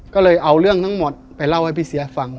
ก็เลยเอาเรื่องทั้งหมดไปเล่าให้พี่เสียฟัง